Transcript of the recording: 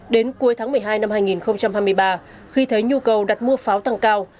đến cuối tháng một mươi hai năm hai nghìn hai mươi ba khi thấy nhu cầu đặt mua pháo tăng cao